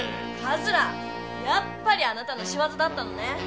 やっぱりあなたのしわざだったのね。